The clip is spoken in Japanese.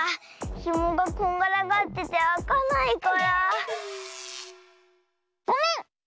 ひもがこんがらがっててあかないからごめん！